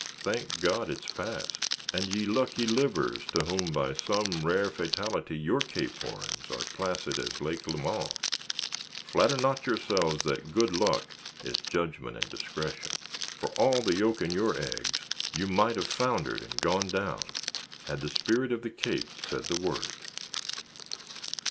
thank God it is passed. And ye lucky livers, to whom, by some rare fatality, your Cape Horns are placid as Lake Lemans, flatter not yourselves that good luck is judgment and discretion; for all the yolk in your eggs, you might have foundered and gone down, had the Spirit of the Cape said the word.